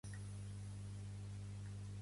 Sergi Zamora és un actor nascut a Barcelona.